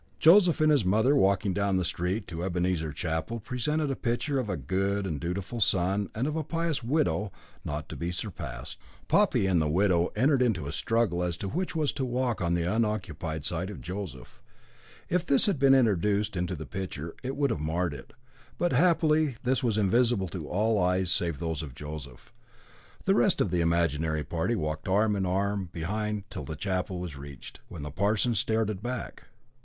Joseph and his mother walking down the street to Ebenezer Chapel presented a picture of a good and dutiful son and of a pious widow not to be surpassed. Poppy and the widow entered into a struggle as to which was to walk on the unoccupied side of Joseph. If this had been introduced into the picture it would have marred it; but happily this was invisible to all eyes save those of Joseph. The rest of the imaginary party walked arm in arm behind till the chapel was reached, when the parson started back.